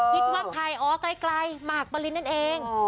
คิดว่าใครอ๋อไกลหมากปรินนั่นเอง